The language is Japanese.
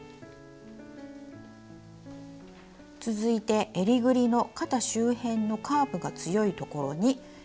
続いてえりぐりの肩周辺のカーブが強いところに切り込みを入れます。